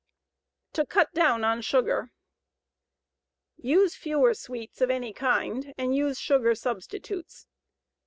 TO CUT DOWN ON SUGAR USE FEWER SWEETS OF ANY KIND AND USE SUGAR SUBSTITUTES.